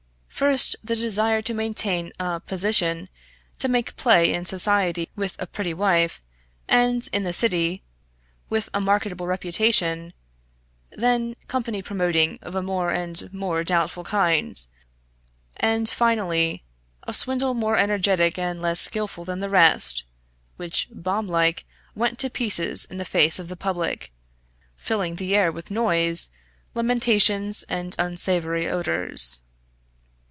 First, the desire to maintain a "position," to make play in society with a pretty wife, and, in the City, with a marketable reputation; then company promoting of a more and more doubtful kind; and, finally, a swindle more energetic and less skilful than the rest, which bomb like went to pieces in the face of the public, filling the air with noise, lamentations, and unsavoury odours.